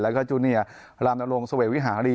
แล้วก็จูเนียรามนรงเสวกวิหารี